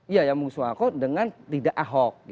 iya yang mengusung ahok dengan tidak ahok